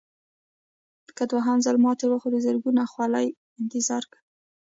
که دوهم ځل ماتې وخورئ زرګونه خولې انتظار کوي.